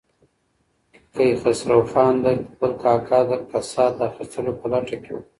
کیخسرو خان د خپل کاکا د کسات اخیستلو په لټه کې و.